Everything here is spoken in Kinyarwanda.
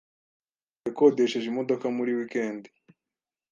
yakodesheje imodoka muri wikendi.